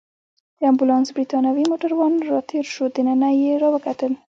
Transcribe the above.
د امبولانس بریتانوی موټروان راتېر شو، دننه يې راوکتل.